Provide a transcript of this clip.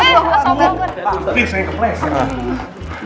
akhirnya saya keples ya